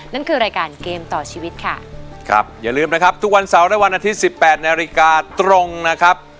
นั่นคือรายการเกมต่อชีวิตค่ะครับอย่าลืมนะครับทุกวันเสาร์และวันอาทิตย์สิบแปดนาฬิกาตรงนะครับ